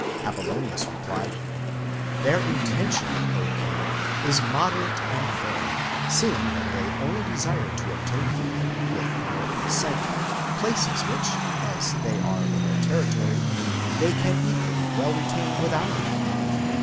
'' Apollonius replied: " Their intention, O king, is moderate and fair, seeing that they only desire to obtain from you, with your consent, places which, as they are in their territory, they ean equally well retain without it."